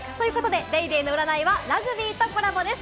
『ＤａｙＤａｙ．』の占いはラグビーとコラボです。